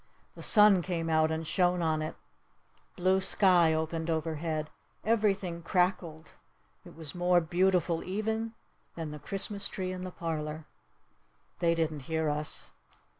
The sun came out and shone on it! Blue sky opened overhead! Everything crackled! It was more beautiful even than the Christmas tree in the parlor. They didn't hear us.